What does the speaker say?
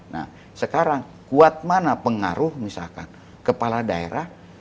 nah sekarang kuat mana pengaruh misalkan kepala daerah